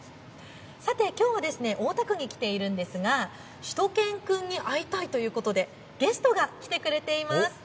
さて、きょうは大田区に来ているんですがしゅと犬くんに会いたいということでゲストが来てくれています。